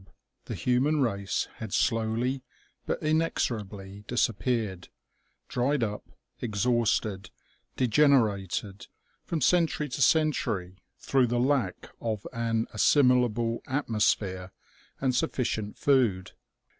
241 the human race had slowly but inexorably disappeared dried up, exhausted, degenerated, from century to century, through the lack of an assimilable atmosphere and suffi cient food.